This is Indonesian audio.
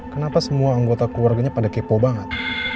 kenapa semua anggota keluarganya pada kepo banget